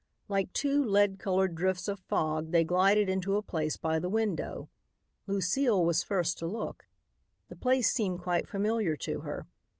Like two lead colored drifts of fog they glided into a place by the window. Lucile was first to look. The place seemed quite familiar to her.